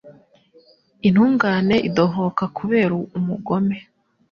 Intungane idohoka kubera umugome